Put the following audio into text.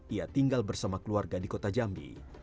ia tinggal bersama keluarga di kota jambi